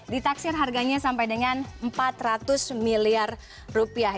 ditaksir harganya sampai dengan empat ratus miliar rupiah